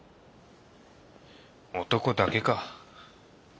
男だけか。